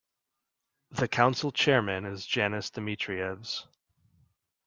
The Council Chairman is Janis Dimitrijevs.